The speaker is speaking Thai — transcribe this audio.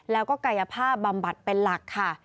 แล้วก็กายภาพบำบัดเป็นหลักค่ะ